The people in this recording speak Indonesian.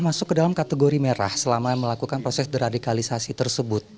masuk ke dalam kategori merah selama melakukan proses deradikalisasi tersebut